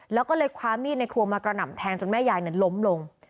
แล้วก็เลยคว้ามีดในครัวมากระหน่ำแทงจนแม่ยายล้มลง